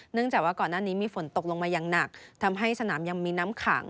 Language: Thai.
จากว่าก่อนหน้านี้มีฝนตกลงมาอย่างหนักทำให้สนามยังมีน้ำขัง